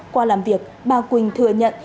qua làm việc bà quỳnh thừa nhận